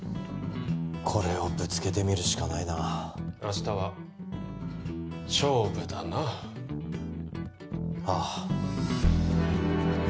これをぶつけてみるしかないな明日は勝負だなああ